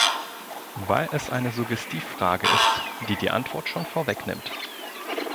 Weil es eine Suggestivfrage ist, die die Antwort schon vorwegnimmt.